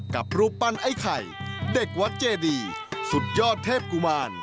กับรูปปั้นไอ้ไข่เด็กวัดเจดีสุดยอดเทพกุมาร